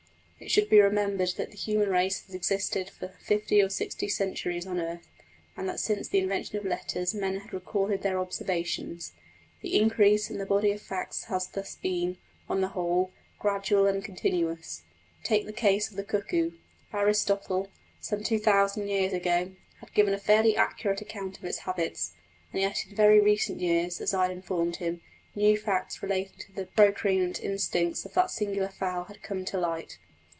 It should be remembered that the human race had existed some fifty or sixty centuries on the earth, and that since the invention of letters men had recorded their observations. The increase in the body of facts had thus been, on the whole, gradual and continuous. Take the case of the cuckoo. Aristotle, some two thousand years ago, had given a fairly accurate account of its habits; and yet in very recent years, as I had informed him, new facts relating to the procreant instincts of that singular fowl had come to light.